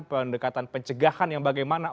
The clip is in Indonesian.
pendekatan pencegahan yang bagaimana